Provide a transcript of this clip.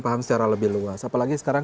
paham secara lebih luas apalagi sekarang